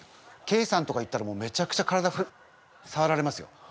けいじさんとか行ったらめちゃくちゃ体さわられますよ。